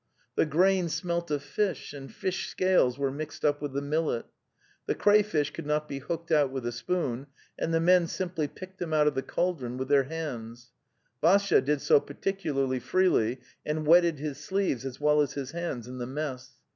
The grain smelt of fish and fish scales were mixed up with the millet. The crayfish could not be hooked out with a spoon, and the men simply picked them out of the cauldron with their hands; Vassya did so particu larly freely, and wetted his sleeves as well as his hands in the mess.